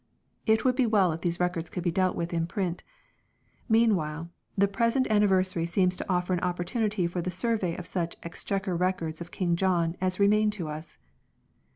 It would be well if these records could be dealt with in print. Meanwhile the present anniversary The Object of seems to offer an opportunity for the survey of such Exchequer Records of King John as remain to us.